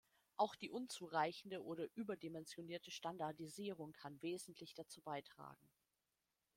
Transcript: Auch die unzureichende oder überdimensionierte Standardisierung kann wesentlich dazu beitragen.